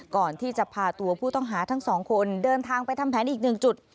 ก่อนที่จะพาตัวผู้ต้องหาทั้งสองคนเดินทางไปทำแผนอีกหนึ่งจุด